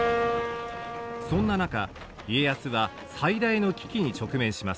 そんな中家康は最大の危機に直面します。